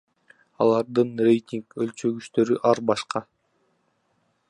Алардын рейтинг өлчөгүчтөрү ар башка.